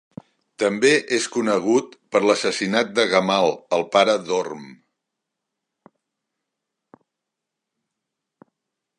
També es conegut per l"assassinat de Gamal, el pare d"Orm.